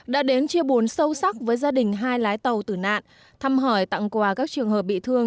đã đến chia buồn sâu sắc với gia đình hai lái tàu tử nạn thăm hỏi tặng quà các trường hợp bị thương